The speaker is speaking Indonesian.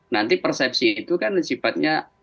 nanti persepsi itu kan sifatnya